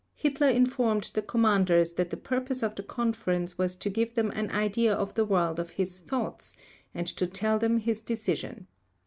Hitler informed the Commanders that the purpose of the Conference was to give them an idea of the world of his thoughts, and to tell them his decision.